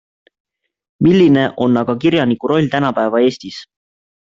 Milline on aga kirjaniku roll tänapäeva Eestis?